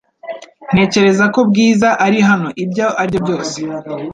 Ntekereza ko Bwiza ari hano ibyo ari byo byose